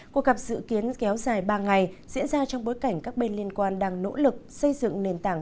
cuộc gặp dự kiến kéo dài ba ngày diễn ra trong bối cảnh các bên liên quan đang nỗ lực xây dựng nền tảng